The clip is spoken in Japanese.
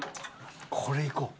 これいこう。